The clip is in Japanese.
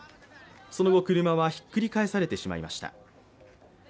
その後、車はひっくり返されてしまいました。